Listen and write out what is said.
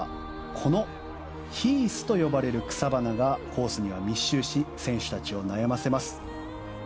このヒースと呼ばれる草花がコースには密集し選手たちを悩ませます。